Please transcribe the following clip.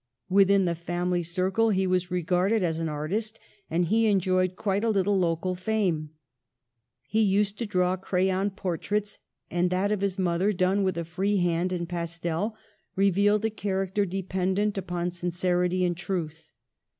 Within the family circle he was regarded as an artist, and he enjoyed quite a little local fame. He used to draw crayon portraits, and that of his mother, done with a free hand in pastel, revealed a character dependent upon sincerity and truth.